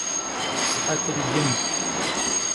Sıhetır yim.